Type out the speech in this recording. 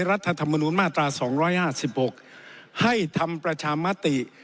รัฐธรรมนุนมาตรา๒๕๖ให้ทำประชามติ